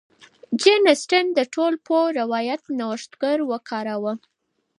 جین اسټن د ټولپوه روایت نوښتګر وکاراوه.